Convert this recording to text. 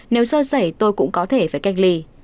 nếu so sẩy tôi cũng có thể phải cách ly